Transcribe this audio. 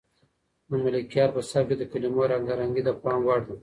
د ملکیار په سبک کې د کلمو رنګارنګي د پام وړ ده.